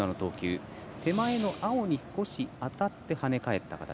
手前の青に少し当たって跳ね返った形。